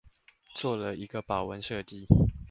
做了一個保溫設計